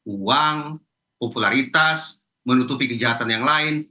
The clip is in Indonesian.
uang popularitas menutupi kejahatan yang lain